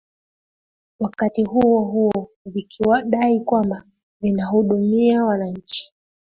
wakati huo huo vikidai kwamba vinahudumia wananchi